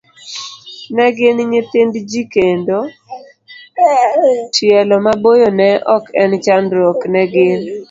Ne gin nyithind ji kendo, tielo maboyo ne ok en chandruok ne gin.